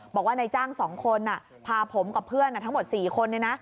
บอกว่านายจ้างสองคนอ่ะพาผมกับเพื่อนอ่ะทั้งหมดสี่คนเนี่ยนะ